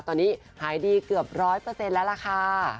ตอนนี้หายดีเกือบร้อยเปอร์เซ็นต์แล้วล่ะค่ะ